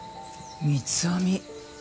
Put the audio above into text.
三つ編み。